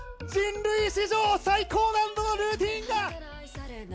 人類史上最高難度のルーティーンだ！